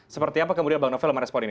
seperti apa kemudian bang novel akan responin